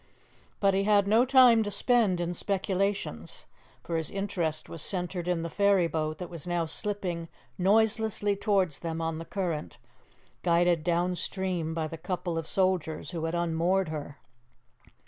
But he had no time to spend in speculations, for his interest was centred in the ferry boat that was now slipping noiselessly towards them on the current, guided down stream by the couple of soldiers who had unmoored her.